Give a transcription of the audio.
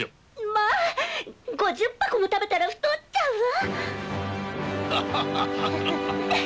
まあ５０箱も食べたら太っちゃうわ！